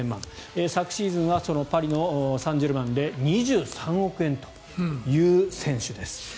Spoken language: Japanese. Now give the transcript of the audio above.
昨シーズンはパリ・サンジェルマンで２３億円という選手です。